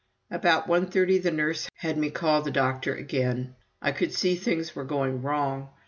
About one thirty the nurse had me call the doctor again. I could see things were going wrong.